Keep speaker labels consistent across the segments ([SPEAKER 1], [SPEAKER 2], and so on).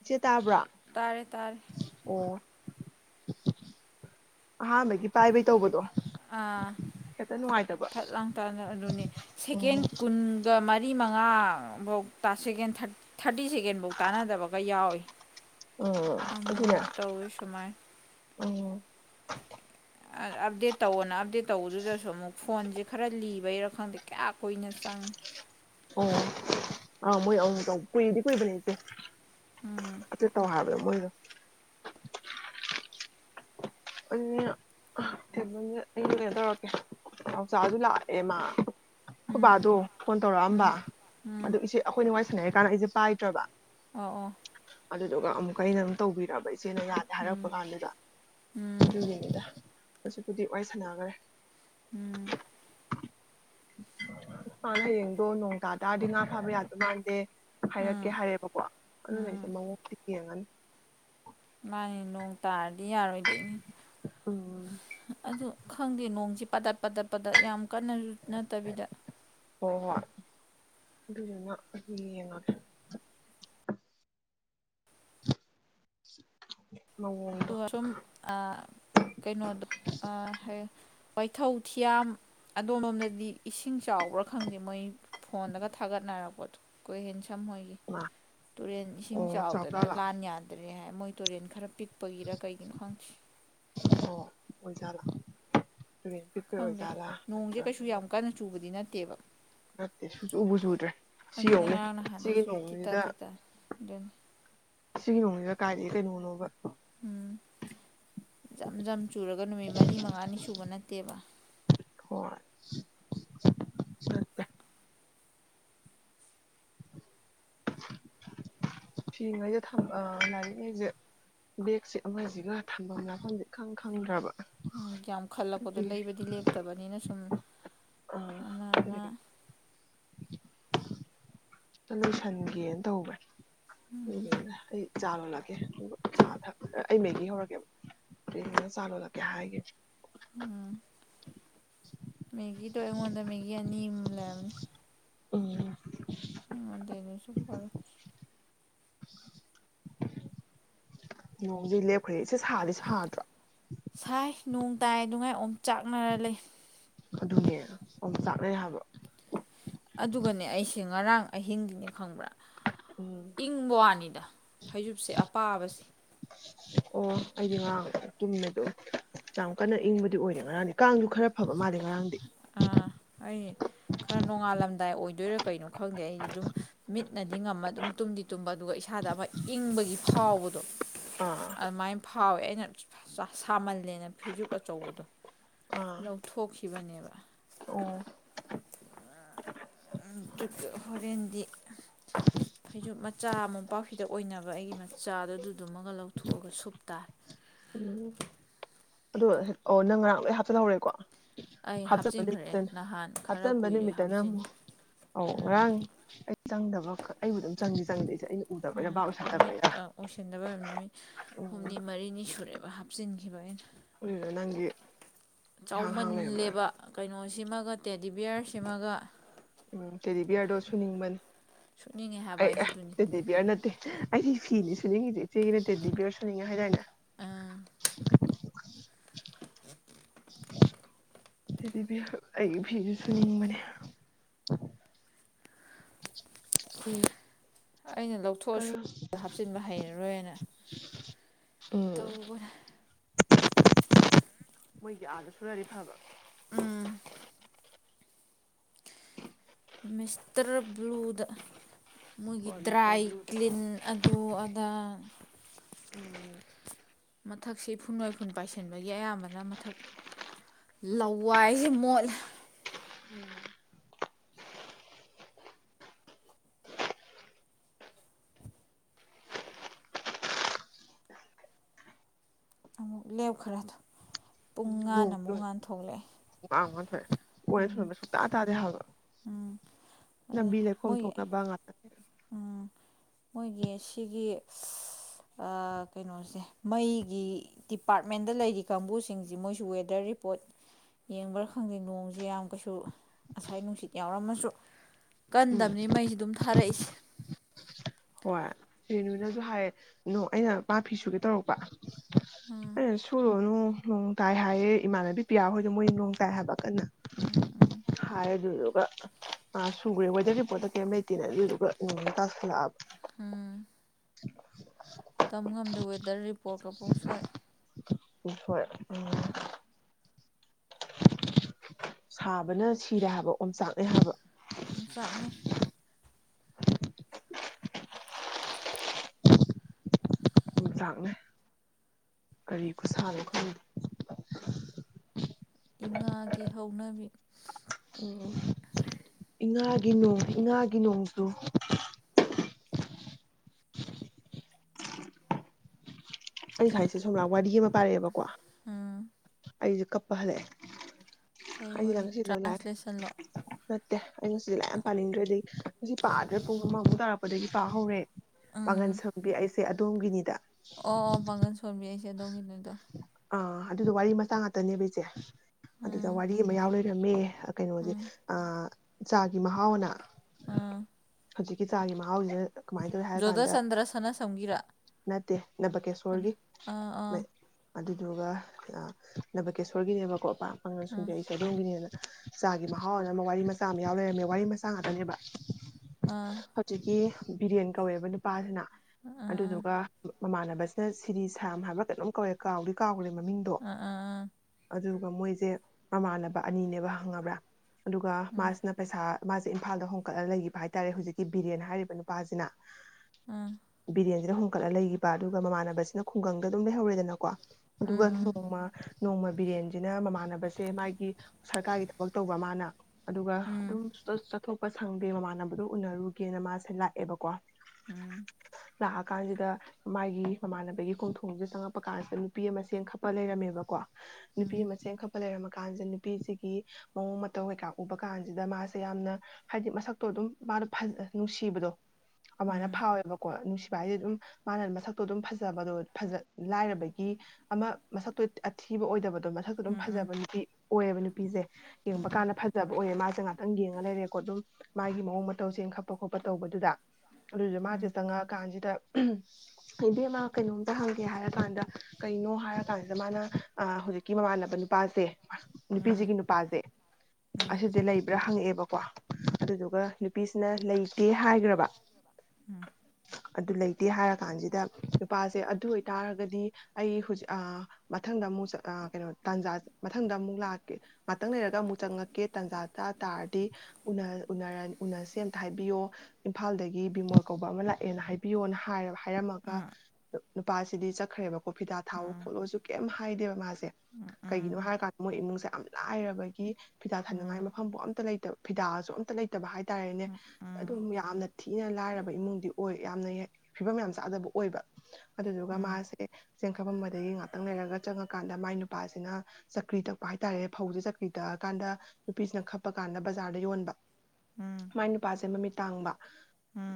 [SPEAKER 1] ꯏꯆꯦ ꯇꯥꯕ꯭ꯔꯥ
[SPEAKER 2] ꯇꯥꯔꯦ ꯇꯥꯔꯦ
[SPEAKER 1] ꯑꯣ ꯑꯍꯥꯟꯕꯒꯤ ꯄꯥꯏꯕꯩ ꯇꯧꯕꯗꯣ
[SPEAKER 2] ꯑꯥ
[SPEAKER 1] ꯍꯦꯛꯇ ꯅꯨꯡꯉꯥꯏꯇꯕ
[SPEAKER 2] ꯐꯠ ꯂꯥꯎ ꯇꯥꯅ ꯑꯗꯨꯅꯤ ꯁꯦꯀꯦꯟ
[SPEAKER 1] ꯎꯝ
[SPEAKER 2] ꯀꯨꯟꯒ ꯃꯥ ꯃꯔꯤ ꯃꯉꯥ ꯕꯧ ꯇ ꯁꯦꯀꯦꯟ ꯊꯥ꯭ꯔꯠ ꯊꯥꯔꯇꯤ ꯁꯦꯀꯦꯟ ꯕꯧ ꯇꯥꯟꯅꯗꯕꯒ ꯌꯥꯎꯏ꯫
[SPEAKER 1] ꯎꯝ ꯑꯗꯨꯅꯦ
[SPEAKER 2] ꯑꯃꯨꯃꯨꯛ ꯇꯧꯏ ꯁꯨꯃꯥꯏ꯫
[SPEAKER 1] ꯎꯝ꯫
[SPEAKER 2] ꯑ ꯑꯞꯗꯦꯠ ꯇꯧꯑꯣꯅ ꯑꯞꯗꯦꯠ ꯇꯧꯕꯗꯨꯗꯁꯨ ꯑꯃꯨꯛ ꯐꯣꯟꯁꯦ ꯈꯔ ꯂꯤꯕꯩꯔꯥ ꯈꯪꯗꯦ ꯀꯌꯥ ꯀꯨꯏꯅ ꯆꯪꯉꯤ꯫
[SPEAKER 1] ꯑꯣ ꯑꯥ ꯃꯣꯏ ꯑꯃꯨꯃꯨꯛ ꯇꯧ ꯀꯨꯏꯗꯤ ꯀꯨꯏꯕꯅꯦ ꯏꯆꯦ꯫
[SPEAKER 2] ꯎꯝ
[SPEAKER 1] [unintelligible] [unintelligible] [inaudible] ꯅꯥꯎꯆꯥꯁꯨ ꯂꯥꯛꯑꯦ ꯃꯥ ꯑꯩꯈꯣꯏ
[SPEAKER 2] ꯎꯝ
[SPEAKER 1] ꯕꯥꯗꯣ ꯐꯣꯟ ꯇꯧꯔꯛ ꯑꯝꯕ
[SPEAKER 2] ꯎꯝ ꯎꯝ
[SPEAKER 1] ꯑꯗꯨ ꯏꯆꯦ ꯑꯈꯣꯏꯅꯤ ꯋꯥꯔꯤ ꯁꯥꯅꯔꯤꯀꯥꯟ ꯑꯩꯁꯦ ꯄꯥꯏꯗ꯭ꯔꯕ
[SPEAKER 2] ꯑꯣ ꯑꯣ
[SPEAKER 1] ꯑꯗꯨꯗꯨꯒ ꯑꯃꯨꯛꯀꯥ ꯑꯩꯅ ꯎꯝ ꯇꯧꯕꯤꯔꯕ ꯏꯆꯦꯅ ꯌꯥꯗꯦ ꯍꯥꯏꯔꯛꯄ
[SPEAKER 2] ꯎꯝ
[SPEAKER 1] ꯀꯥꯟꯗꯨꯗ꯫
[SPEAKER 2] ꯎꯝ
[SPEAKER 1] ꯑꯗꯨꯒꯤꯅꯤꯗ ꯍꯨꯖꯤꯛꯄꯨꯗꯤ ꯋꯥꯔꯤ ꯁꯥꯟꯅꯒꯔꯦ
[SPEAKER 2] ꯎꯝ
[SPEAKER 1] ꯃꯥꯅ ꯍꯌꯦꯡꯗꯣ ꯅꯣꯡ ꯇꯥ ꯇꯥꯔꯗꯤ ꯉꯥ ꯐꯥꯕ ꯌꯥꯗꯣꯏ ꯃꯥꯟꯗꯦ
[SPEAKER 2] ꯎꯝ
[SPEAKER 1] ꯍꯥꯏꯔꯛꯀꯦ ꯍꯥꯏꯌꯦꯕꯀꯣ ꯑꯗꯨꯅ ꯑꯩꯁꯦ
[SPEAKER 2] ꯎꯝ
[SPEAKER 1] ꯃꯉꯣꯗꯤ ꯌꯦꯡꯉꯅꯤ꯫
[SPEAKER 2] ꯃꯥꯅꯤ ꯅꯣꯡ ꯇꯥ ꯌꯥꯔꯣꯏꯗ ꯏꯉꯦ
[SPEAKER 1] ꯎꯝ
[SPEAKER 2] ꯑꯗꯨ ꯈꯪꯗꯦ ꯅꯣꯡꯖꯤ ꯄꯗꯠ ꯄꯗꯠ ꯄꯗꯠ ꯌꯥꯝ ꯀꯟꯅꯖꯨ ꯅꯠꯇꯕꯤꯗ꯫
[SPEAKER 1] ꯍꯣ-ꯍꯣꯏ ꯑꯗꯨꯗꯨꯅ ꯌꯦꯡꯉꯒꯦ꯫ ꯃꯑꯣꯡꯗꯣ
[SPEAKER 2] [unintelligible] ꯁꯨꯝ ꯑ ꯀꯩꯅꯣꯗ ꯑ ꯍꯥꯏꯌꯦ ꯋꯥꯏꯊꯧ, ꯊꯤꯌꯥꯝ ꯑꯗꯣꯝꯂꯣꯝꯗꯗꯤ ꯏꯁꯤꯡ ꯆꯥꯎꯕ꯭ꯔꯥ ꯈꯪꯗꯦ, ꯃꯣꯏ ꯐꯣꯟꯗꯒ ꯊꯥꯒꯠꯅꯔꯛꯄꯗꯣ ꯀꯣꯏꯍꯦꯟ ꯁꯝꯍꯣꯏꯒꯤ,
[SPEAKER 1] ꯃꯥ
[SPEAKER 2] ꯇꯨꯔꯦꯟ ꯏꯁꯤꯡ
[SPEAKER 1] ꯑꯣ
[SPEAKER 2] ꯆꯥꯎꯗꯅ
[SPEAKER 1] ꯆꯥꯎꯖꯥꯠꯂꯥ
[SPEAKER 2] ꯂꯥꯟ ꯌꯥꯟꯗ꯭ꯔꯦ ꯍꯥꯏ ꯃꯣꯏ ꯇꯨꯔꯦꯟ ꯈꯔ ꯄꯤꯛ ꯄꯒꯤꯔ ꯀꯩꯒꯤꯅꯣ ꯈꯪꯗꯦ꯫
[SPEAKER 1] ꯑꯣ ꯑꯣꯏꯖꯥꯂꯥ꯫
[SPEAKER 2] ꯈꯪꯗꯦ ꯅꯣꯡꯁꯦ ꯀꯩꯁꯨ ꯌꯥꯝ ꯀꯟꯅ ꯆꯨꯕꯗꯤ ꯅꯠꯇꯦ [unintelligible]
[SPEAKER 1] ꯅꯠꯇꯦ ꯁꯨꯆꯨꯕꯨ ꯆꯨꯗ꯭ꯔꯦ ꯁꯤ
[SPEAKER 2] ꯑꯗꯨꯅꯦ
[SPEAKER 1] ꯌꯦꯡꯎꯅꯦ
[SPEAKER 2] ꯉꯔꯥꯡ ꯅꯍꯥꯟꯗꯩ
[SPEAKER 1] ꯁꯤꯒꯤ
[SPEAKER 2] ꯆꯨꯏ ꯇꯤꯇꯥ
[SPEAKER 1] ꯅꯣꯡꯁꯤꯗ꯫
[SPEAKER 2] ꯇꯤꯇꯥ ꯑꯗꯨꯅꯤ
[SPEAKER 1] ꯁꯤꯒꯤ ꯅꯣꯡꯁꯤꯗ ꯀꯥꯏꯔꯤ ꯀꯩꯅꯣꯅꯣꯕ
[SPEAKER 2] ꯎꯝ ꯖꯝ ꯖꯝ ꯆꯨꯔꯒ ꯅꯨꯃꯤꯠ ꯃꯔꯤ ꯃꯉꯥꯅꯤ ꯁꯨꯕ ꯅꯠꯇꯦꯕ
[SPEAKER 1] ꯑ ꯐꯤꯉꯩꯁꯦ ꯂꯥꯏꯔꯤꯉꯩꯁꯦ ꯕꯦꯦꯛꯁꯦ ꯑꯃꯁꯤꯒ ꯊꯝꯐꯝ ꯃꯐꯝꯁꯦ ꯈꯪ ꯈꯪꯗ꯭ꯔꯕ
[SPEAKER 2] ꯌꯥꯝ ꯈꯜꯂꯛꯄꯗꯣ
[SPEAKER 1] ꯑꯗꯨꯒꯤ
[SPEAKER 2] ꯂꯩꯕꯗꯤ ꯂꯦꯞꯇꯕꯅꯤꯅ ꯁꯨꯝ
[SPEAKER 1] ꯑꯥ
[SPEAKER 2] ꯑꯃ
[SPEAKER 1] ꯑꯗꯨꯒꯤ
[SPEAKER 2] ꯑꯃ꯫
[SPEAKER 1] ꯁꯣꯂꯨꯁꯟꯒꯦꯅ ꯇꯧꯕ꯭ꯔꯦ ꯎꯝ ꯆꯥ ꯂꯣꯜꯂꯛꯀꯦ ꯑꯗꯨꯒ ꯊ ꯑꯩ ꯃꯦꯒꯤ ꯍꯧꯔꯛꯀꯦꯕ ꯑꯗꯨꯅ ꯆꯥ ꯂꯣꯜꯂꯛꯀꯦ ꯍꯥꯏꯒꯦ
[SPEAKER 2] ꯎꯝ ꯃꯦꯒꯤꯗꯣ ꯑꯩꯉꯣꯟꯗ ꯃꯦꯒꯤ ꯑꯅꯤꯃꯨꯝ ꯂꯩꯔꯕꯅꯤ
[SPEAKER 1] ꯎꯝ
[SPEAKER 2] ꯎꯗ ꯑꯗꯨꯁꯨ ꯐꯔ
[SPEAKER 1] ꯅꯣꯡꯗꯤꯩ ꯂꯦꯞꯈ꯭ꯔꯦ ꯏꯆꯦ ꯁꯥꯗꯤ ꯁꯥꯗ꯭ꯔꯣ
[SPEAKER 2] ꯁꯥꯏ ꯅꯣꯡ ꯇꯥꯏꯌꯦꯗꯨꯉꯥꯏ ꯑꯣꯝꯆꯥꯛꯅꯔ ꯂꯩ꯫
[SPEAKER 1] ꯑꯗꯨꯅꯦ ꯑꯃꯝ ꯆꯥꯅꯩ ꯍꯥꯏꯕ
[SPEAKER 2] ꯑꯗꯨꯒꯅꯦ ꯑꯩꯁꯦ ꯉꯔꯥꯡ ꯑꯍꯤꯡꯒꯤꯅꯤ ꯈꯪꯕ꯭ꯔꯥ
[SPEAKER 1] ꯎꯝ
[SPEAKER 2] ꯏꯪꯕ ꯋꯥꯅꯤꯗ ꯐꯩꯖꯨꯞꯁꯦ ꯑꯄꯥꯕꯁꯦ꯫
[SPEAKER 1] ꯑꯣ ꯑꯩꯗꯤ ꯉꯔꯥꯡ ꯇꯨꯝꯅ ꯑꯗꯨꯝ ꯌꯥꯝ ꯀꯟꯅ ꯏꯪꯕꯗꯤ ꯑꯣꯏꯔꯦ ꯉꯔꯥꯡꯅꯤ ꯀꯥꯡꯁꯨ ꯈꯔ ꯐꯕ ꯃꯥꯜꯂꯦ ꯉꯔꯥꯡꯗꯤ
[SPEAKER 2] ꯑ ꯑꯩ ꯈꯔ ꯅꯣꯡꯉꯥꯜꯂꯝꯗꯥꯏ ꯑꯣꯏꯗꯣꯏꯔꯥ ꯀꯩꯅꯣ ꯈꯪꯗꯦ ꯑꯩꯗꯤ ꯑꯗꯨꯝ ꯃꯤꯠꯅꯗꯤ ꯉꯝꯃ ꯑꯗꯨꯝ ꯇꯨꯝꯗꯤ ꯇꯨꯝꯕ ꯑꯗꯨꯒ ꯏꯁꯥꯗ ꯑꯃ ꯏꯪꯕꯒꯤ ꯐꯥꯎꯕꯗꯣ
[SPEAKER 1] ꯑꯥ
[SPEAKER 2] ꯑꯗꯨꯃꯥꯏꯅ ꯐꯥꯎꯋꯦ ꯑꯩꯅ ꯁꯥꯃꯜꯂꯦꯅ ꯐꯤꯖꯨꯞ ꯑꯆꯧꯕꯗꯣ
[SPEAKER 1] ꯑꯥ
[SPEAKER 2] ꯂꯧꯊꯣꯛꯈꯤꯕꯅꯦꯕ
[SPEAKER 1] ꯑꯣ
[SPEAKER 2] ꯗꯨꯗꯣ ꯍꯣꯔꯦꯟꯗꯤ ꯐꯩꯖꯨꯞ ꯃꯆꯥ ꯃꯣꯝꯄꯥꯛꯐꯤꯗꯛ ꯑꯣꯏꯅꯕ ꯑꯩꯒꯤ ꯃꯆꯥꯗꯨ ꯑꯗꯨꯗꯨꯃꯒ ꯂꯧꯊꯣꯛꯑꯒ ꯁꯨꯞꯇꯥꯔꯦ꯫
[SPEAKER 1] ꯎꯝ ꯑꯗꯣ ꯑꯣ ꯅꯪ ꯉꯔꯥꯡ ꯂ ꯍꯥꯞꯆꯜꯍꯧꯔꯦꯀꯣ
[SPEAKER 2] ꯑꯩ
[SPEAKER 1] ꯍꯥꯞꯆꯟꯕ
[SPEAKER 2] ꯍꯥꯞꯆꯤꯟꯈ꯭ꯔꯦ
[SPEAKER 1] ꯅꯨꯃꯤꯠꯇꯅ
[SPEAKER 2] ꯅꯍꯥꯟ ꯈꯔ
[SPEAKER 1] ꯍꯥꯞꯆꯟꯕ
[SPEAKER 2] ꯀꯨꯏꯔꯦ
[SPEAKER 1] ꯅꯨꯃꯤꯠꯇꯅ
[SPEAKER 2] ꯍꯥꯞꯆꯤꯟ
[SPEAKER 1] ꯑꯃꯨꯛ ꯑꯧ
[SPEAKER 2] ꯎꯝ
[SPEAKER 1] ꯉꯔꯥꯡ ꯑꯩ ꯆꯪꯗꯕ ꯑꯩꯕꯨ ꯑꯗꯨꯝ ꯆꯪꯗꯤ ꯆꯪꯗꯏꯁꯦ
[SPEAKER 2] ꯎꯝ ꯅꯨꯃꯤꯠ ꯑꯣꯏꯁꯤꯟꯗꯕ ꯍꯥꯏ ꯅꯨꯃꯤꯠ
[SPEAKER 1] ꯎꯝ
[SPEAKER 2] ꯍꯨꯝꯅꯤ ꯃꯔꯤꯅꯤ ꯁꯨꯔꯦ ꯍꯥꯞꯆꯤꯟꯈꯤꯕ ꯑꯩꯅ꯫
[SPEAKER 1] ꯎꯝ ꯅꯪꯒꯤ꯫ ꯏꯍꯥꯡ ꯍꯥꯡ ꯂꯩꯔꯝꯃꯦ
[SPEAKER 2] ꯆꯥꯎꯃꯜꯂꯦꯕ ꯀꯩꯅꯣꯁꯤꯃꯒ ꯇꯦꯗꯤꯕꯤꯌꯔꯁꯤꯃꯒ
[SPEAKER 1] ꯎꯝ ꯇꯦꯗꯤꯕꯤꯌꯥꯔꯗꯣ ꯁꯨꯅꯤꯡꯕꯟ
[SPEAKER 2] ꯁꯨꯅꯤꯡꯉꯦ ꯍꯥꯏꯕ ꯑꯩꯁꯨ ꯑꯗꯨꯅꯤ
[SPEAKER 1] ꯗꯤꯕꯤ ꯌꯥ ꯅ ꯑꯩꯗꯤ ꯐꯤꯗꯤ ꯁꯨꯅꯤꯡꯉꯤꯤꯁꯦ ꯏꯆꯦꯒꯤ ꯅꯠꯇꯦꯗꯤ ꯄꯤꯌꯔ ꯁꯨꯅꯤꯡꯉꯦ ꯍꯥꯏꯗꯥꯏꯅ [unintelligible]
[SPEAKER 2] ꯎꯝ
[SPEAKER 1] ꯇꯦꯗꯤ ꯕꯤꯌꯔ ꯑꯩꯒꯤ ꯐꯤꯁꯨ ꯁꯨꯅꯤꯡꯕꯅꯦ꯫ [unintelligible]
[SPEAKER 2] ꯑꯩꯅ ꯂꯧꯊꯣꯛꯑꯁꯨ
[SPEAKER 1] ꯀꯩꯅꯣ
[SPEAKER 2] [unintelligible] ꯍꯥꯞꯆꯤꯟꯕ ꯍꯩꯔꯣꯏꯅ
[SPEAKER 1] ꯎꯝ꯫ ꯃꯣꯏꯒꯤ ꯑꯥꯗ ꯁꯨꯔꯗꯤ ꯐꯕ꯫
[SPEAKER 2] ꯎꯝ꯫ ꯃꯤꯁꯇꯔ ꯕ꯭ꯂꯨꯗ ꯃꯣꯏꯒꯤ
[SPEAKER 1] ꯍꯣꯏ ꯃꯤꯁꯇꯔ
[SPEAKER 2] ꯗ꯭ꯔꯥꯏ
[SPEAKER 1] ꯕ꯭ꯂꯨꯗ
[SPEAKER 2] ꯀ꯭ꯂꯤꯟ ꯑꯗꯨ ꯑꯗ
[SPEAKER 1] ꯎꯝ
[SPEAKER 2] ꯃꯊꯛꯁꯤ ꯏꯐꯨꯟ ꯋꯥꯏꯐꯨꯟ ꯄꯥꯏꯁꯤꯟꯕꯒꯤ ꯑꯌꯥꯝꯕꯅ ꯃꯊꯛ, ꯂꯋꯥꯏꯁꯦ ꯃꯣꯠꯂꯦ꯫ ꯑꯃꯨꯛ ꯂꯦꯞꯈ꯭ꯔꯗ ꯄꯨꯡ ꯉꯥꯟ ꯑꯃꯨꯛ ꯉꯥꯟ ꯊꯣꯛꯂꯛꯑꯦ
[SPEAKER 1] ꯋꯥ-ꯋꯥꯅ ꯊꯣꯛꯑꯦ, ꯑꯣꯏ [unintelligible] ꯁꯨꯡꯛꯇꯥ ꯇꯥꯗꯦ ꯍꯥꯏꯕ꯫
[SPEAKER 2] ꯎꯝ
[SPEAKER 1] ꯂꯝꯕꯤ ꯂꯩꯈꯣꯝ
[SPEAKER 2] ꯃꯣꯏ
[SPEAKER 1] ꯊꯣꯛꯅꯕ ꯉꯥꯛꯇ ꯎꯝ
[SPEAKER 2] ꯎꯝ ꯃꯣꯏꯒꯤ ꯁꯤꯒꯤ ꯑ ꯀꯩꯅꯣꯁꯦ ꯃꯩꯒꯤ ꯗꯤꯄꯥꯔꯠꯃꯦꯟꯗ ꯂꯩꯔꯤ ꯀꯥꯡꯕꯨꯁꯤꯡꯁꯤ ꯃꯣꯏꯁꯨ ꯋꯦꯗ꯭ꯔ ꯔꯤꯄꯣꯔꯠ ꯌꯦꯡꯕ꯭ꯔꯥ ꯈꯪꯗꯦ, ꯅꯣꯡꯁꯦ ꯌꯥꯝ ꯀꯩꯁꯨ ꯉꯁꯥꯏ ꯅꯨꯡꯁꯤꯠ ꯌꯥꯎꯔꯝꯃꯁꯨ
[SPEAKER 1] ꯎꯝ
[SPEAKER 2] ꯀꯟꯗꯝꯅꯤ ꯃꯩꯁꯤ ꯑꯗꯨꯝ ꯊ ꯐꯔꯦ ꯢꯁ
[SPEAKER 1] ꯍꯣꯏ ꯔꯦꯅꯨꯅꯁꯨ ꯍꯥꯏꯌꯦ ꯑꯩꯅ ꯃꯥ ꯐꯤ ꯁꯨꯒꯦ ꯇꯧꯔꯛꯄ
[SPEAKER 2] ꯎꯝ
[SPEAKER 1] ꯑꯩꯅ ꯁꯨꯔꯣ ꯅꯨ ꯅꯣꯡ ꯇꯥꯏ ꯍꯥꯏꯌꯦ ꯏꯃꯥꯟꯅꯕꯤ ꯄꯤꯌꯥ ꯍꯣꯏꯗꯣ ꯃꯣꯏ ꯅꯣꯡ ꯇꯥꯏ ꯍꯥꯏꯕ ꯀꯟꯅ ꯍꯥꯏꯔꯨꯔ ꯁꯨꯈ꯭ꯔꯦ ꯋꯦꯗꯔ ꯔꯤꯄꯣꯔꯠꯇ ꯀꯩꯝ ꯂꯩꯇꯦꯅꯦ ꯑꯗꯨꯗꯨꯒ ꯅꯣꯡꯁꯨ ꯇꯥꯥꯁꯜꯂꯛꯑꯕ
[SPEAKER 2] ꯎꯝ
[SPEAKER 1] [unintelligible]
[SPEAKER 2] ꯇꯝ ꯉꯝꯗ ꯋꯦꯗꯔ ꯔꯤꯄꯣꯔꯠꯀ ꯄꯨꯡꯁꯣꯏ
[SPEAKER 1] ꯍꯣꯏ ꯎꯝ ꯁꯥꯕꯅ ꯁꯤꯔꯦ ꯍꯥꯏꯕ ꯑꯣꯝꯆꯥꯛꯅꯦ ꯍꯥꯏꯕ
[SPEAKER 2] ꯑꯣꯝꯆꯥꯛꯅꯩ
[SPEAKER 1] ꯑꯣꯝꯆꯥꯛꯅꯩ ꯀꯔꯤ ꯈꯨꯁꯥꯅꯣ ꯈꯪꯗꯦ
[SPEAKER 2] ꯏꯉꯥꯒꯤ ꯍꯧꯅꯕꯤ
[SPEAKER 1] ꯎꯝ ꯏꯉꯥꯒꯤ ꯅꯣꯡ ꯏꯉꯥꯒꯤ ꯅꯣꯡꯁꯨ ꯑꯩ ꯍꯥꯏꯁꯦ ꯁꯣꯝꯂꯥꯛ ꯋꯥꯔꯤ ꯑꯃ ꯄꯥꯔꯛꯑꯦꯕꯀꯣ
[SPEAKER 2] ꯎꯝ
[SPEAKER 1] ꯑꯩꯁꯨ ꯀꯞꯄ ꯍꯜꯂꯛꯑꯦ
[SPEAKER 2] ꯀꯩ
[SPEAKER 1] ꯑꯩꯁꯦ
[SPEAKER 2] ꯑꯣꯏꯣꯅꯤ
[SPEAKER 1] ꯉꯁꯤꯗꯣ ꯂꯥꯏꯔꯤꯛ
[SPEAKER 2] ꯇ꯭ꯔꯥꯟꯁꯂꯦꯁꯟꯂꯣ
[SPEAKER 1] ꯅꯠꯇꯦ ꯑꯩꯅ ꯁꯤꯗꯤ ꯂꯥꯏꯔꯤꯛ ꯌꯥꯝ ꯄꯥꯅꯤꯡꯗ꯭ꯔꯦ ꯑꯗꯒꯤ ꯍꯧꯛ ꯄꯥꯗ꯭ꯔꯦ ꯄꯨꯡ ꯑꯃꯃꯨꯛ ꯇꯥꯔꯛꯄꯗꯒꯤ ꯄꯥ ꯍꯧꯧꯔꯦ
[SPEAKER 2] ꯎꯝ
[SPEAKER 1] ꯄꯥꯉꯟꯁꯣꯟꯕꯤ ꯑꯩꯁꯦ ꯁꯦ ꯑꯗꯣꯝꯒꯤꯅꯤꯗ
[SPEAKER 2] ꯑꯣ ꯑꯣ [unintelligible] [unintelligible]
[SPEAKER 1] ꯑꯥ ꯑꯗꯨꯗ ꯋꯥꯔꯤ ꯃꯆꯥ ꯉꯥꯛꯇꯅꯦꯕ ꯏꯆꯦ ꯑꯗꯨꯒ
[SPEAKER 2] ꯎꯝ
[SPEAKER 1] ꯋꯥꯔꯤ ꯑꯃ ꯌꯥꯎꯔꯔꯦ ꯉꯝꯃꯦ ꯑꯥ ꯀꯩꯅꯣꯁꯦ
[SPEAKER 2] ꯎꯝ
[SPEAKER 1] ꯑꯥ ꯏꯆꯥꯒꯤ ꯃꯍꯥꯎꯅ
[SPEAKER 2] ꯎꯝ
[SPEAKER 1] ꯍꯧꯖꯤꯛꯀꯤ ꯆꯥꯒꯤ ꯃꯍꯥꯎꯁꯤ ꯑ ꯀꯃꯥꯏꯟ ꯇꯧꯏ ꯍꯥꯏꯔ ꯀꯥꯟꯗ
[SPEAKER 2] ꯖꯣꯙꯆꯟꯗ꯭ꯔ ꯁꯅꯥꯁꯝꯒꯤꯔꯥ
[SPEAKER 1] ꯅꯠꯇꯦ
[SPEAKER 2] ꯀꯅꯥ
[SPEAKER 1] ꯅꯕꯀꯦꯁꯣꯔꯒꯤ
[SPEAKER 2] ꯑꯥ ꯑꯥ
[SPEAKER 1] ꯑꯗꯨꯗꯨꯒ ꯑꯥ-ꯅꯕꯀꯦꯁꯣꯔꯒꯤꯅꯦꯕꯀꯣꯄꯥꯝ ꯑꯉꯥ
[SPEAKER 2] ꯎꯝ
[SPEAKER 1] ꯁꯨꯟꯗꯔꯤ ꯆꯅꯨꯒꯤꯅꯦꯅ ꯆꯥꯒꯤ ꯃꯍꯥꯎ ꯑꯅ ꯋꯥꯔꯤ ꯃꯆꯥ ꯑꯃ ꯌꯥꯎ ꯂꯩꯔꯝꯃꯦ ꯋꯥꯔꯤ ꯃꯆꯥ ꯉꯥꯛꯇꯅꯦꯕ
[SPEAKER 2] ꯑꯥ
[SPEAKER 1] ꯍꯧꯖꯤꯛꯀꯤ ꯕꯤꯔꯦꯟ ꯀꯧꯋꯦꯕ ꯅꯨꯄꯥꯁꯤꯅ
[SPEAKER 2] ꯑꯥ
[SPEAKER 1] ꯑꯗꯨꯗꯨꯒ ꯃꯃꯥꯟꯅꯕꯁꯦ ꯁꯤꯔꯤ ꯁꯥꯝ ꯍꯥꯏꯕ꯭ꯔ ꯀꯩꯅꯣꯝ ꯀꯧꯋꯦ ꯀꯥꯎꯗꯤ ꯀꯥꯎꯒ꯭ꯔꯦ ꯃꯃꯤꯡꯗꯣ
[SPEAKER 2] ꯑꯥ ꯑꯥ
[SPEAKER 1] ꯑꯗꯨ ꯍꯃꯣꯏꯁꯦ ꯃꯃꯥꯟꯅꯕ ꯑꯅꯤꯅꯦꯕ ꯈꯪꯉꯕ꯭ꯔꯥ ꯑꯗꯨꯒ
[SPEAKER 2] ꯎꯝ
[SPEAKER 1] ꯃꯥꯁꯤꯅ ꯄꯩꯁꯥ ꯃꯥꯁꯦ ꯏꯝꯐꯥꯜꯗ ꯍꯣꯡꯀꯠꯂ ꯂꯩꯈꯤꯕ ꯍꯥꯏꯇꯥꯥꯔꯦ ꯍꯧꯖꯤꯛꯀꯤ ꯕꯤꯔꯦꯟ ꯍꯥꯏꯔꯤꯕ ꯅꯨꯄꯥꯁꯤꯅ [unintelligible] ꯍꯣꯡꯒꯠꯂ ꯂꯩꯒꯤꯕ ꯑꯗꯨꯒ ꯃꯃꯥꯟꯅꯕꯁꯤꯅ ꯈꯨꯡꯒꯪꯗ ꯑꯗꯨꯝ ꯂꯩꯍꯧꯔꯦꯗꯅ ꯀꯣ
[SPEAKER 2] ꯎꯝ
[SPEAKER 1] ꯑꯗꯨꯒꯥ
[SPEAKER 2] ꯎꯝ
[SPEAKER 1] ꯅꯣꯡꯃ ꯅꯣꯡꯃ ꯕꯤꯔꯦꯟꯁꯤꯅ ꯃꯃꯥꯟꯅꯕꯁꯦ ꯃꯥꯏꯒꯤ ꯁꯔꯀꯥꯔꯒꯤ ꯊꯕꯛ ꯇꯧꯕ ꯃꯥꯅ ꯑꯗꯨꯒ
[SPEAKER 2] ꯎꯝ
[SPEAKER 1] ꯑꯗꯨꯝ ꯁꯪꯆꯠ ꯆꯠꯊꯣꯛ [unintelligible] ꯁꯪꯗꯦ ꯃꯃꯥꯟꯅꯕ ꯑꯗꯨ ꯎꯅꯔꯨꯒꯦꯅ ꯃꯥꯁꯦ ꯂꯥꯛꯑꯦꯕꯀꯣ
[SPEAKER 2] ꯎꯨꯝ
[SPEAKER 1] ꯂꯥꯛꯑꯀꯥꯟꯁꯤꯗ ꯃꯥꯏꯒꯤ ꯃꯃꯥꯟꯅꯕꯒꯤ ꯀꯣꯟꯊꯣꯡꯁꯦ ꯆꯪꯉꯛꯄ ꯀꯥꯁꯤꯗ ꯅꯨꯄꯤ ꯑꯃ ꯆꯦꯝ ꯈꯞꯄ ꯂꯩꯔꯝꯃꯦꯕꯀꯣ ꯅꯨꯄꯤ [unintelligible] ꯈꯛꯄ ꯂꯩꯔꯝꯃ- ꯀꯥꯟꯁꯤꯗ ꯅꯨꯄꯤꯁꯤꯒꯤ ꯃꯑꯣꯡ ꯃꯇꯧ ꯀꯩꯀꯥ ꯎꯕ ꯀꯥꯟꯁꯤꯗ ꯃꯥꯁꯦ ꯌꯥꯝꯅ ꯍꯥꯏꯗꯤ ꯃꯁꯛꯇꯣ ꯑꯗꯨꯝ ꯃꯥꯗꯣ ꯐꯖ ꯅꯨꯡꯁꯤꯕꯗꯣ ꯑꯃꯥꯏꯅ
[SPEAKER 2] ꯎꯝ ꯎꯝ
[SPEAKER 1] ꯐꯥꯎꯋꯦꯕꯀꯣ ꯅꯨꯡꯁꯤ [unintelligible] ꯑꯗꯨꯝ ꯃꯥꯅ ꯃꯁꯛꯇꯣ ꯑꯗꯨꯝ ꯐꯖꯕꯗꯣ ꯐꯖ- ꯂꯥꯏꯔꯕꯒꯤ ꯑꯃ ꯃꯁꯛꯇꯣ ꯑꯊꯤꯕ ꯑꯣꯏꯗꯕ ꯑꯗꯨ ꯃꯁꯛꯇꯨ
[SPEAKER 2] ꯎꯝ
[SPEAKER 1] ꯑꯗꯨꯝ
[SPEAKER 2] ꯎꯝ
[SPEAKER 1] ꯐꯖꯕ ꯅꯨꯄꯤ ꯑꯣꯏꯑꯦꯕ ꯅꯨꯄꯤꯁꯦ
[SPEAKER 2] ꯎꯝ ꯎꯝ ꯎꯝ
[SPEAKER 1] ꯌꯦꯡꯕꯀꯥꯟꯗ ꯐꯖꯕ ꯑꯣꯏꯌꯦ ꯃꯥꯁꯦ ꯉꯥꯛꯇꯪ ꯌꯦꯡ [unintelligible] ꯑꯗꯨꯝ ꯃꯥꯒꯤ ꯃꯑꯣꯡ ꯃꯇꯧ ꯆꯦꯡ ꯈꯞꯄ-ꯈꯣꯠꯄ ꯇꯧꯕꯗꯨꯗ [unintelligible] ꯁꯨ ꯃꯥꯁꯤ ꯆꯪꯉꯛꯑꯀꯥꯟꯁꯤꯗ ꯎꯝ ꯏꯕꯦꯃꯥ ꯀꯩꯅꯣꯝꯇ ꯍꯪ ꯑꯦ ꯍꯥꯏꯔꯀꯥꯟꯗ ꯀꯩꯅꯣ ꯍꯥꯏꯔꯀꯥꯟꯁꯤꯗ ꯃꯥꯅ ꯑꯥ ꯍꯧꯖꯤꯛꯀꯤ ꯃꯃꯥꯟꯅꯕ ꯅꯨꯄꯥꯁꯦ
[SPEAKER 2] ꯎꯝ
[SPEAKER 1] ꯅꯨꯄꯤꯁꯤꯒꯤ ꯅꯨꯄꯥꯁꯦ--ꯑꯁꯤꯁꯦ ꯂꯩꯕ꯭ꯔ ꯍꯪꯉꯛꯑꯦꯕ ꯀꯋꯥ ꯑꯗꯨꯗꯨꯒ ꯅꯨꯄꯤꯁꯤꯅ ꯂꯩꯇꯦ ꯍꯥꯏꯒ꯭ꯔꯕ
[SPEAKER 2] ꯎꯝ ꯎꯝ
[SPEAKER 1] ꯑꯗꯨ ꯂꯩꯇꯦ ꯍꯥꯏꯔ ꯀꯥꯟꯁꯤꯗ ꯅꯨꯄꯥꯖꯦ ꯑꯗꯨ ꯑꯣꯏ ꯇꯥꯔꯒꯗꯤ ꯑꯩ ꯍꯧꯖꯤꯛ ꯑꯥ- ꯃꯊꯪꯗ ꯑꯃꯨꯛ ꯆꯥ-ꯑꯥ- ꯀꯩꯅꯣ ꯇꯥꯟꯖꯥ ꯃꯊꯪꯗ ꯑꯃꯨꯛ ꯂꯥꯛꯀꯦ ꯉꯥꯛꯇꯪ ꯂꯩꯔꯒ ꯑꯃꯨꯛ ꯆꯪꯉꯛꯀꯦ ꯇꯥꯟꯖꯥ ꯆꯥ ꯇꯥꯔꯗꯤ ꯎꯨꯅ-ꯎꯨꯅꯔ-ꯎꯨꯅꯁꯦ ꯑꯝꯇ ꯍꯥꯏꯕꯤꯌꯣ ꯏꯝꯐꯥꯜꯗꯒꯤ ꯕꯤꯃꯣꯜ ꯀꯧꯕ ꯑꯃ ꯂꯥꯛꯑꯦꯅ ꯍꯥꯏꯕꯤꯌꯣꯅ ꯍꯥꯏꯔ
[SPEAKER 2] ꯎꯝ ꯎꯝ ꯎꯝ ꯎꯝ ꯎꯝ ꯎꯝ ꯎꯝ ꯎꯝ
[SPEAKER 1] ꯍꯥꯏꯔꯝꯃꯒ
[SPEAKER 2] ꯎꯝ
[SPEAKER 1] ꯅꯨꯄꯥꯁꯤꯗꯤ ꯆꯠꯈ꯭ꯔꯦꯕꯀꯣ ꯐꯤꯗꯥ ꯊꯥꯑꯣ ꯈꯣꯠꯂꯣꯁꯨ ꯀꯩꯝ ꯍꯥꯏꯗꯦꯕ ꯃꯥꯁꯦ
[SPEAKER 2] ꯎꯝ ꯎꯝ
[SPEAKER 1] ꯀꯩꯒꯤꯅꯣ
[SPEAKER 2] ꯎꯝ ꯎꯝ
[SPEAKER 1] ꯍꯥꯏꯔꯀꯥꯟ ꯃꯣꯏ ꯏꯃꯨꯡꯁꯦ ꯌꯥꯝ ꯂꯥꯏꯔꯕꯒꯤ ꯐꯤꯗꯥ ꯊꯥꯅꯤꯡꯉꯥꯏ ꯃꯐꯝꯕꯥꯎ ꯑꯝꯇ ꯂꯩꯇꯕ ꯐꯤꯗꯥꯁꯨ ꯑꯝꯇ ꯂꯩꯇꯕ ꯍꯥꯏꯇꯥꯔꯦꯅꯦ ꯑꯗꯨꯝ ꯌꯥꯝꯅ ꯊꯤꯅ ꯂꯥꯏꯔꯕ ꯏꯃꯨꯡꯗꯤ ꯑꯣꯏ ꯌꯥꯝꯅ ꯍꯦꯛ ꯐꯤꯚꯝ ꯌꯥꯝ ꯆꯥꯗꯕ ꯑꯣꯏꯕ ꯑꯗꯨꯗꯨꯒ ꯃꯥꯁꯦ ꯆꯦꯡ ꯈꯞꯄꯝꯕꯗꯒꯤ ꯉꯥꯛꯇꯪ ꯂꯩꯔꯒ ꯆꯪꯉꯀꯥꯟꯗ ꯃꯥꯏ ꯅꯨꯄꯥꯁꯤꯅ ꯆꯀ꯭ꯔꯤ ꯇꯛꯄ ꯍꯥꯏꯇꯥꯔꯦ ꯐꯧꯁꯦ ꯆꯀ꯭ꯔꯤ ꯇꯛꯑꯀꯥꯟꯗ ꯅꯨꯄꯤꯁꯤꯅ ꯈꯞꯄ ꯀꯥꯟꯗ ꯕꯖꯥꯔꯗ ꯌꯣꯟꯕ ꯃꯥꯏ ꯅꯨꯄꯥꯁꯦ ꯃꯥꯃꯤꯠ ꯇꯥꯡꯕ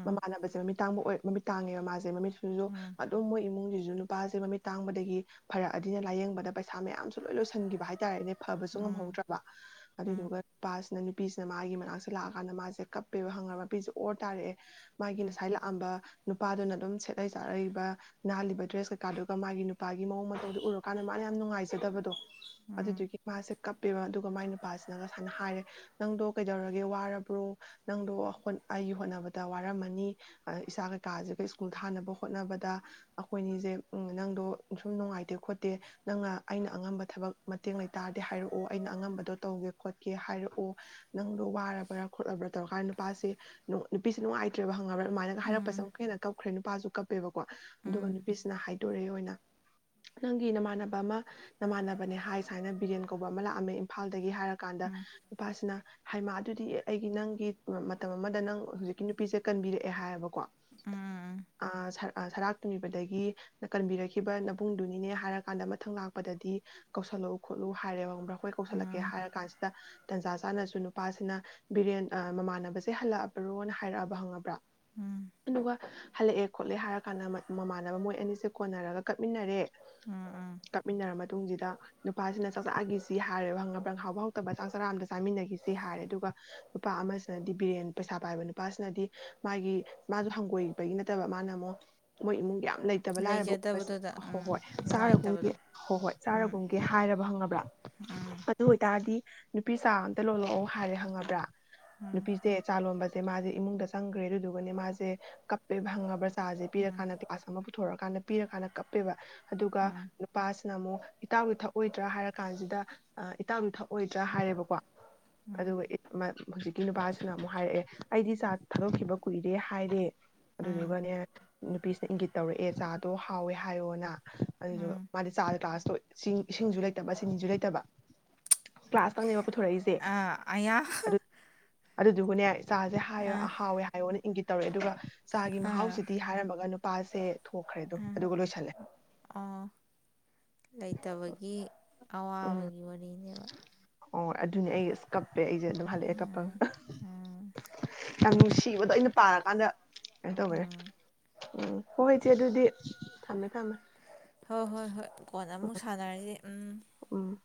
[SPEAKER 1] ꯃꯃꯥꯅꯕ ꯃꯃꯤꯠ ꯇꯥꯡꯕ ꯑꯣꯏ ꯃꯃꯤꯠ ꯇꯥꯡꯉꯦꯕ ꯃꯥꯁꯦ ꯃꯃꯤꯠ [unintelligible] ꯃꯣꯏ ꯏꯃꯨꯡꯖꯤꯖꯨ ꯅꯨꯄꯥꯖꯦ ꯃꯃꯤꯠ ꯇꯥꯡꯕꯗꯒꯤ ꯐꯔꯛꯑꯗꯤꯅ ꯂꯥꯏꯌꯦꯡꯕꯗ ꯄꯩꯁꯥ ꯃꯌꯥꯝꯁꯨ ꯂꯣꯏ- ꯂꯣꯏꯁꯟꯒꯤꯕ ꯍꯥꯏꯇꯥꯔꯦꯅꯦ꯫ ꯐꯕꯁꯨ ꯉꯝꯍꯧꯗ꯭ꯔꯥꯕꯥ ꯑꯗꯨꯗꯨꯒ ꯅꯨꯄꯥꯁꯤꯅ ꯅꯨ ꯄꯤꯁꯤꯅ ꯃꯥꯒꯤ ꯃꯅꯥꯛꯁꯦ ꯂꯥꯛꯑꯀꯥꯟꯗ ꯃꯥꯁꯦ ꯀꯞꯄꯦꯕ ꯍꯪꯉꯕ꯭ꯔ ꯄꯤꯖꯦ ꯑꯣꯔ ꯇꯥꯔꯛꯑꯦ꯫ ꯃꯥꯏꯒꯤ
[SPEAKER 2] ꯎꯝ
[SPEAKER 1] ꯅꯁꯥꯏ ꯂꯥꯛꯑꯝꯕ ꯅꯨꯄꯥꯗꯨꯅ ꯑꯗꯨꯝ ꯁꯦꯠꯂꯩ-ꯆꯥꯔꯛꯏꯕ ꯅꯥꯜꯂꯤꯕ ꯗ꯭ꯔꯦꯁ ꯀꯩꯀꯥꯗꯨꯒ ꯃꯥꯒꯤ ꯅꯨꯄꯥꯒꯤ ꯃꯋꯣꯡ ꯃꯇꯧꯗꯨ ꯎꯔꯨꯀꯥꯟꯗ ꯃꯥꯅ ꯌꯥꯝ ꯅꯨꯡꯉꯥꯏꯖꯗꯕꯗꯣ꯫ ꯑꯗꯨꯗꯨꯒꯤ ꯃꯥꯁꯦ ꯀꯞꯄꯦꯕ ꯑꯗꯨꯒ ꯃꯥꯏ ꯅꯨꯞ ꯄꯥꯁꯤꯅꯒ ꯁꯥꯏꯅ ꯍꯥꯏꯔꯦ ꯅꯪꯗꯣ ꯀꯩꯗꯧꯔꯒꯦ ꯋꯥꯔꯕ꯭ꯔꯣ ꯅꯪꯗꯣ ꯑ-ꯍꯣ-ꯑꯩꯒꯤ ꯍꯣꯠꯅꯕꯗ ꯋꯥꯔꯝꯃꯅꯤ ꯑꯥ ꯏꯆꯥ ꯀꯩꯀꯥꯖꯦꯒꯦ ꯁ꯭ꯀꯨꯜ ꯊꯥꯅꯕ ꯍꯣꯠꯅꯕꯗꯥ꯫ ꯑꯈꯣꯏꯅꯤꯖꯦ ꯎꯝ ꯅꯪꯗꯣ ꯁꯨꯝ ꯅꯨꯡꯉꯥꯏꯇꯦ ꯈꯣꯠꯇꯦ ꯅꯪꯅ ꯑꯩꯅ ꯑꯉꯝꯕ ꯊꯕꯛ ꯃꯇꯦꯡ ꯂꯩꯇꯥꯔꯗꯤ ꯍꯥꯏꯔꯛꯑꯣ ꯑꯩꯅ ꯑꯉꯝꯕꯗꯣ ꯇꯧꯒꯦ ꯈꯣꯠꯀꯦ ꯍꯥꯏꯔꯛꯑꯣ ꯅꯪꯗꯣ ꯋꯥꯔꯕ꯭ꯔꯥ ꯈꯣꯠꯂꯕ꯭ꯔꯥ ꯇꯧꯔꯀꯥꯟ ꯅꯨꯄꯥꯁꯦ ꯅꯨ-ꯅꯨꯄꯤꯁꯦ ꯅꯨꯡꯉꯥꯢꯇ꯭ꯔꯦꯕ ꯍꯪ ꯉꯥꯕ꯭ꯔ ꯎꯃꯥꯏꯅꯒ ꯍꯥꯏꯔꯛꯄꯁꯦ
[SPEAKER 2] ꯎꯝ
[SPEAKER 1] ꯑꯃꯨꯛꯀ ꯍꯟꯅ ꯀꯞ ꯈ꯭ꯔꯦ ꯅꯨꯄꯥꯖꯨ ꯀꯞꯄꯦꯕꯀꯣ꯫ ꯑꯗꯨꯒ
[SPEAKER 2] ꯎꯝ
[SPEAKER 1] ꯅꯨꯄꯤꯁꯤꯅ ꯍꯥꯏꯗꯣꯔꯛꯑꯦ ꯑꯣꯏꯅ ꯅꯪꯒꯤ ꯅꯃꯥꯟꯅꯕ ꯑꯃ ꯅꯃꯥꯟꯅꯕꯅꯦ ꯍꯥꯏ ꯁꯥꯏꯅ ꯕꯤꯔꯦꯟ ꯀꯧꯕ ꯑꯃ ꯂꯥꯛꯑꯝꯃꯦ ꯏꯝꯐꯥꯜꯗꯒꯤ ꯍꯥꯏꯔ ꯀꯥꯟꯗ ꯅꯨꯄꯥꯁꯤꯅꯥ ꯍꯥꯏꯃꯥ ꯑꯗꯨꯗꯤ ꯑꯩꯒꯤ ꯅꯪꯒꯤ ꯎꯨꯝ ꯃꯇꯝ ꯑꯃꯗ ꯅꯪ ꯍꯨꯖꯤꯛꯀꯤ ꯅꯨꯄꯤꯖꯦ ꯀꯟꯕꯤꯔꯛꯑꯦ ꯍꯥꯏꯌꯦꯕꯀꯣ꯫
[SPEAKER 2] ꯎꯝ ꯎꯝ
[SPEAKER 1] ꯑꯥ ꯁꯔ ꯑꯥ ꯁꯔꯥꯛ ꯇꯨꯕꯤꯕꯗꯒꯤ ꯀꯟꯕꯤꯔꯛꯈꯤꯕ ꯅꯕꯨꯡꯗꯨꯅꯤꯅꯦ ꯍꯥꯏꯔ ꯀꯥꯟꯗ ꯃꯊꯪ ꯂꯥꯛꯄꯗꯗꯤ ꯀꯧꯁꯜꯂꯛꯎ ꯈꯣꯠꯂꯨ ꯍꯥꯏꯔꯦ [unintelligible] ꯍꯣꯏ ꯀꯧꯁꯜꯂꯛꯀꯦ
[SPEAKER 2] ꯎꯝ
[SPEAKER 1] ꯍꯥꯏꯔ ꯀꯥꯟꯁꯤꯗꯥ ꯇꯟꯖꯥ ꯆꯥꯅꯁꯨ ꯅꯨꯄꯥꯁꯤꯅ ꯕꯤꯔꯦꯟ ꯑꯥ- ꯃꯃꯥꯟꯅꯕꯁꯦ ꯍꯜꯂꯛꯑꯕ꯭ꯔꯣꯅ ꯍꯥꯏꯔꯛꯑꯕ ꯈꯪꯉꯕ꯭ꯔꯥ
[SPEAKER 2] ꯎꯝ
[SPEAKER 1] ꯊꯨꯃꯣꯕ-ꯍꯥ ꯍꯂꯛꯑꯦ ꯈꯣꯠꯂꯦ ꯍꯥꯏꯔ ꯀꯥꯟꯗ [unintelligible] ꯃꯃꯥꯟꯅꯕ ꯃꯣꯏ ꯑꯅꯤꯁꯦ ꯀꯣꯟꯅꯔꯒ ꯀꯞꯃꯤꯟꯅꯔꯦ
[SPEAKER 2] ꯎꯝ ꯎꯝ
[SPEAKER 1] ꯀꯞꯃꯤꯟꯅꯔ ꯃꯇꯨꯡꯁꯤꯗ ꯅꯨꯄꯥꯁꯤꯅ ꯆꯥꯛ ꯆꯥꯛꯈꯤꯁꯤ ꯍꯥꯏꯔꯦ ꯍꯪꯕ꯭ꯔꯪꯍꯥꯎꯕ ꯍꯥꯎꯇꯕ ꯆꯥꯛ ꯆꯔꯥꯑꯝꯗ ꯆꯥꯃꯤꯟꯅꯈꯤꯁꯤ ꯍꯥꯏꯔꯦ [unintelligible] ꯑꯗꯨꯒ ꯅꯨꯄꯥ ꯑꯃꯁꯤꯅꯗꯤ ꯕꯤꯔꯦꯟ ꯄꯩꯁꯥ ꯄꯥꯏꯕ ꯅꯨꯄꯥꯁꯤꯅꯗꯤ ꯃꯥꯒꯤ ꯃꯥꯁꯨ ꯍꯪꯒꯣꯏꯕꯒꯤ ꯅꯠꯇꯕ ꯃꯥꯅ ꯑꯃꯨꯛ ꯃꯣꯏ ꯏꯃꯨꯡ ꯌꯥꯝ ꯂꯩꯇꯕ ꯂꯥꯏꯔꯕ ꯎꯁꯦ
[SPEAKER 2] ꯂꯩꯖꯗꯕꯗꯨꯗ
[SPEAKER 1] ꯍꯣ
[SPEAKER 2] ꯎꯝ
[SPEAKER 1] ꯍꯣꯏ ꯆꯥꯔꯒꯨꯝꯒꯦ
[SPEAKER 2] ꯅꯨꯡꯉꯥꯏꯇꯕꯗꯣ
[SPEAKER 1] ꯍꯣꯏ ꯍꯣꯏ ꯆꯥꯔ
[SPEAKER 2] ꯎꯝ
[SPEAKER 1] ꯍꯨꯝꯒꯦ ꯍꯥꯏꯔꯕ ꯈꯪꯉꯕ꯭ꯔꯥ
[SPEAKER 2] ꯎꯝ
[SPEAKER 1] ꯑꯗꯨ ꯑꯣꯏꯇꯥꯔꯗꯤ ꯅꯨꯄꯤꯆꯥ ꯑꯝꯇ ꯂꯣꯜꯂꯛꯑꯣ ꯍꯥꯏꯔꯦ ꯍꯪꯉꯕ꯭ꯔꯥ ꯅꯨꯄꯤꯁꯦ ꯆꯥꯂꯣꯝꯕ ꯦ ꯃꯥꯁꯦ ꯏꯃꯨꯡꯗ ꯆꯪꯈ꯭ꯔꯦ ꯑꯗꯨꯗꯨꯒꯅꯦ ꯃꯥꯁꯦ ꯀꯞꯄꯦꯕꯥ ꯈꯥꯪꯉꯕ꯭ꯔꯥ
[SPEAKER 2] ꯎꯝ
[SPEAKER 1] ꯄꯤꯔꯀꯥꯟꯗ ꯀ꯭ꯂꯥꯁ ꯑꯃ ꯄꯨꯊꯣꯔꯛꯑꯀꯥꯟꯗ ꯄꯤꯔ ꯀꯥꯟꯗ ꯀꯞꯄꯦꯕ ꯑꯗꯨꯒ
[SPEAKER 2] ꯎꯝ
[SPEAKER 1] ꯅꯨꯄꯥꯁꯤꯅ ꯑꯃꯨꯛ ꯏꯇꯥꯎꯒꯤ ꯊꯛ ꯑꯣꯏꯗ꯭ꯔꯥ ꯍꯥꯏꯔ ꯀꯥꯟꯁꯤꯗꯑ ꯏꯇꯥꯎꯗꯤ ꯊꯛ ꯑꯣꯏꯗ꯭ꯔꯥ ꯍꯥꯏꯔꯦꯕꯀꯣ
[SPEAKER 2] ꯎꯝ
[SPEAKER 1] ꯑꯗꯨꯒ [unintelligible] ꯍꯧꯖꯤꯛꯀꯤ ꯅꯨꯄꯥꯁꯤꯅ ꯑꯃꯨꯛ ꯍꯥꯏꯔꯛꯑꯦ ꯑꯩꯗꯤ ꯆꯥꯛ ꯊꯥꯗꯣꯛꯈꯤꯕ ꯀꯨꯏꯔꯦ ꯍꯥꯏꯔꯦ
[SPEAKER 2] ꯎꯝ
[SPEAKER 1] ꯑꯗꯨꯗꯨꯒꯅꯦ꯫ ꯅꯨꯄꯤꯁꯤꯅ ꯏꯪꯒꯤꯠ ꯇꯧꯔꯛꯑꯦ ꯆꯥꯗꯣ ꯍꯥꯎꯋꯦ ꯍꯥꯏꯌꯣꯅ ꯑꯗꯨꯗꯨ
[SPEAKER 2] ꯎꯝ
[SPEAKER 1] ꯃꯥꯗꯤ [unintelligible] [unintelligible] ꯆꯤꯡ ꯏꯁꯤꯡꯁꯨ ꯂꯩꯇꯕ [unintelligible] ꯂꯩꯇꯕ ꯀ꯭ꯂꯥꯁꯇꯪꯅꯦꯕ ꯄꯨꯊꯣꯔꯛꯏꯁꯦ
[SPEAKER 2] ꯑꯥ ꯑꯌꯥ
[SPEAKER 1] ꯑꯗꯣ ꯑꯗꯨꯗꯨꯒꯅꯦ ꯆꯥꯁꯦ ꯍꯥꯏꯌ
[SPEAKER 2] ꯑꯥ
[SPEAKER 1] ꯍꯥꯎꯋꯦ ꯍꯥꯏꯌꯣꯅ ꯏꯪꯒꯤꯠ ꯇꯧꯋꯦ ꯑꯗꯨꯒ ꯆꯥꯒꯤ ꯃꯍꯥꯎꯁꯤꯗꯤ ꯍꯥꯏꯔꯝꯃꯒ ꯄꯥꯁꯦ
[SPEAKER 2] ꯎꯝ ꯑꯣ ꯂꯩꯇꯕꯒꯤ
[SPEAKER 1] ꯎꯝ
[SPEAKER 2] ꯑꯋꯥꯕꯒꯤ ꯋꯥꯔꯤꯅꯦꯕ
[SPEAKER 1] ꯑꯣ ꯑꯗꯨꯅꯤ ꯑꯩ [unintelligible] ꯑꯗꯩ ꯑꯩꯖꯦ ꯑꯗꯨꯝ ꯍꯜꯂꯛꯑꯦ ꯀꯞꯄꯒ
[SPEAKER 2] ꯎꯝ
[SPEAKER 1] [unintelligible] ꯁꯤꯕꯗꯣ ꯑꯩꯅ ꯄꯥꯔꯀꯥꯟꯗ ꯀꯩꯅꯣ ꯇꯧ
[SPEAKER 2] ꯎꯝ
[SPEAKER 1] [unintelligible] ꯎꯝ ꯍꯣꯏ ꯏꯆꯦ ꯑꯗꯨꯗꯤ ꯊꯝꯃꯦ ꯊꯝꯃꯦ
[SPEAKER 2] ꯍꯣꯏ ꯍꯣꯏ ꯍꯣꯏ ꯀꯣꯟꯅ ꯑꯃꯨꯛ ꯁꯥꯟꯅꯔꯤꯁꯤ
[SPEAKER 1] ꯎꯝ